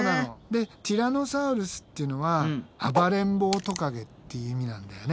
でティラノサウルスっていうのは暴れん坊トカゲって意味なんだよね。